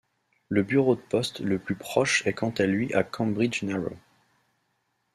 Le bureau de poste le plus proche est quant à lui à Cambridge-Narrows.